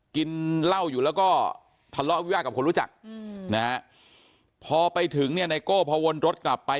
กินเหล้าอยู่แล้วก็ทะเลาะวิวาสกับคนรู้จักนะฮะพอไปถึงเนี่ยไนโก้พอวนรถกลับไป